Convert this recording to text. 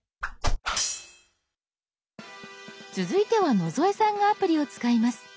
続いては野添さんがアプリを使います。